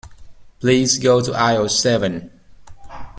Please go to aisle seven.